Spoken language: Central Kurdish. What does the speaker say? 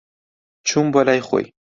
چووم بۆ لای خۆی.